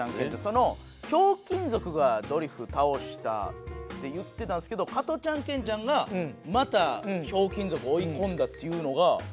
その『ひょうきん族』がドリフ倒したって言ってたんですけど『加トちゃんケンちゃん』がまた『ひょうきん族』追い込んだっていうのがすごいなって。